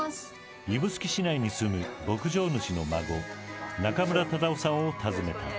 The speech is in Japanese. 指宿市内に住む牧場主の孫中村忠生さんを訪ねた。